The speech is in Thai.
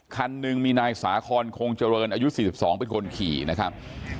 คันหนึ่งมีนายสาคอนคงเจริญอายุ๔๒เป็นคนขี่นะครับ